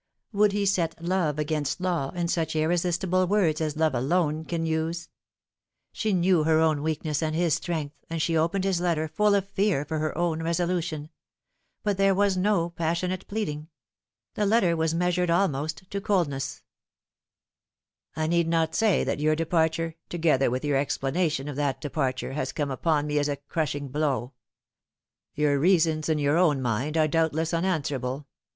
would he set love against law, in such irresistible words as love alone can use ? She knew her own weakness and his strength, and she opened his letter full of fear for her own resolution : but there was no passionate pleading. The letter was measured almost to coldness :" I need not say that your departure, together with your explanation of that departure, has come upon me as a crushing blow. Your reasons in your own mind are doubtless unanswer able.